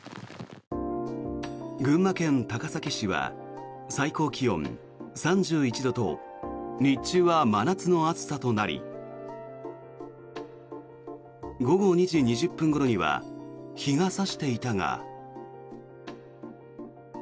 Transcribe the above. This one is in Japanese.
群馬県高崎市は最高気温３１度と日中は真夏の暑さとなり午後２時２０分ごろには日が差していたが。